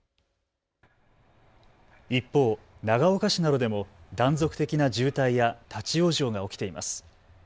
一方、長岡市などでも断続的な渋滞や立往生が起きています。